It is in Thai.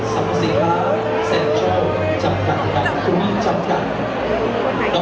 สัมภาษีภาคแซนชอลจำกัดกรรมการคุณวิทย์จำกัด